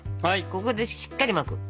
ここでしっかり巻く。